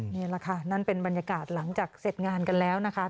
นี่แหละค่ะนั่นเป็นบรรยากาศหลังจากเสร็จงานกันแล้วนะคะ